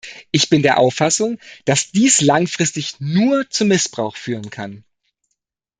Ich bin der Auffassung, dass dies langfristig nur zu Missbrauch führen kann.